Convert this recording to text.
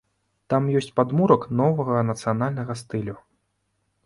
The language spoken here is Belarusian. Там ёсць падмурак новага нацыянальнага стылю.